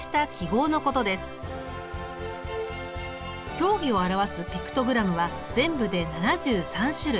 競技を表すピクトグラムは全部で７３種類。